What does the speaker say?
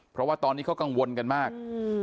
เพราะว่าตอนนี้เขากังวลกันมาก